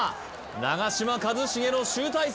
長嶋一茂の集大成！